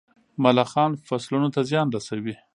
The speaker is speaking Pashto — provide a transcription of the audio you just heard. ملخان فصلونو ته زیان رسوي.